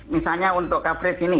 misalnya untuk coverage ini